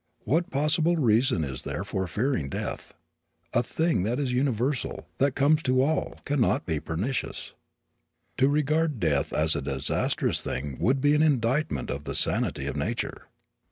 What possible reason is there for fearing death? A thing that is universal, that comes to all, can not be pernicious. To regard death as a disastrous thing would be an indictment of the sanity of nature.